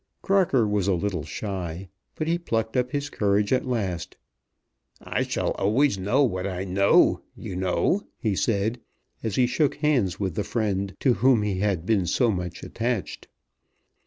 Crocker was a little shy; but he plucked up his courage at last. "I shall always know what I know, you know," he said, as he shook hands with the friend to whom he had been so much attached.